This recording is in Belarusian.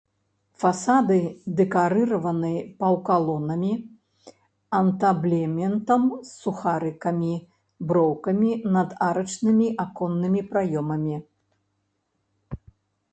Фасады дэкарыраваны паўкалонамі, антаблементам з сухарыкамі, броўкамі над арачнымі аконнымі праёмамі.